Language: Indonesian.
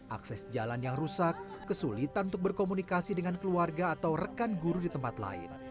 akses jalan yang rusak kesulitan untuk berkomunikasi dengan keluarga atau rekan guru di tempat lain